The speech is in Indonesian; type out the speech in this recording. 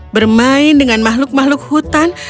bermain dengan makhluk makhluk hutan